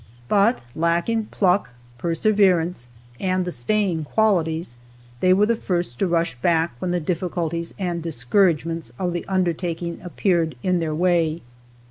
But lacking pluck, perseverance and the staying qualities, they were the first to rush back when the difficulties and discouragements of the undertaking appeared in their way.